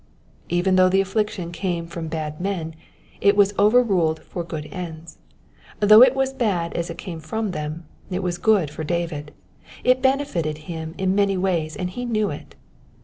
'*'' Even though the afl9ic tion came from bad men. it was overruled for good ends ; though it was bad as it came from them, it was good for David. It benefited him in many ways, and he knew it.